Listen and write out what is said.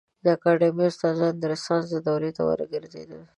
د اکاډمي استادان د رنسانس دورې ته وګرځېدل.